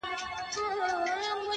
خو هغه ليونۍ وايي؛